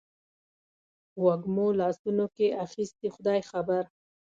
وږمو لاسونو کې اخیستي خدای خبر